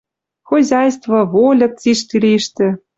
Хозяйство, вольык цишти лиштӹ...